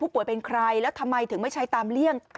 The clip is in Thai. ป่วยเป็นใครแล้วทำไมถึงไม่ใช้ตามเลี่ยง